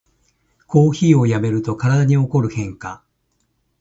コーヒーをやめると体に起こる変化